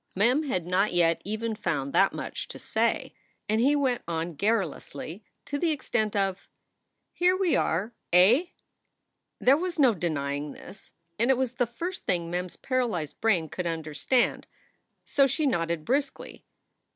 Mem had not yet even found that much to say. And he went on garrulously to the extent of: 4 Here we are, eh?" There was no denying this, and it was the first thing Mem s paralyzed brain could understand, so she nodded briskly.